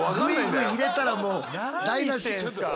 グイグイ入れたらもう。